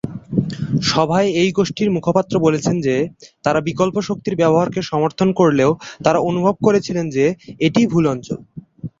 সভায় এই গোষ্ঠীর মুখপাত্র বলেছেন যে, তারা বিকল্প শক্তির ব্যবহারকে সমর্থন করলেও তারা অনুভব করেছিলেন যে এটিই ভুল অঞ্চল।